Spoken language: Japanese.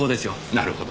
なるほど。